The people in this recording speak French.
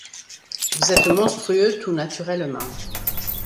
Vous êtes monstrueux tout naturellement ;